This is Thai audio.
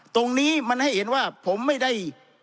ตรงนี้มันให้เห็นว่าผมไม่ได้